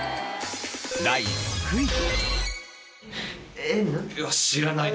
第６位。